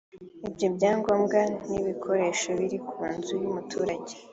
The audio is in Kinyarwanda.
Ibyo byangombwa n’ibikoresho biri ku nzu y’umuturage